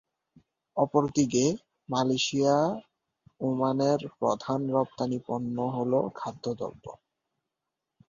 অপরদিকে, মালয়েশিয়ায় ওমানের প্রধান রপ্তানি পণ্য হল খাদ্যদ্রব্য।